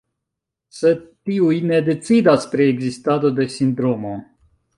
Sed tiuj ne decidas pri ekzistado de sindromo.